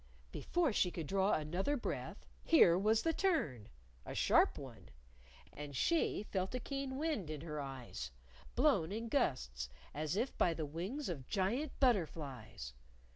Before she could draw another breath here was the turn! a sharp one. And she, felt a keen wind in her eyes, blown in gusts, as if by the wings of giant butterflies.